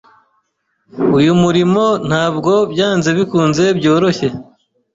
Uyu murimo ntabwo byanze bikunze byoroshye.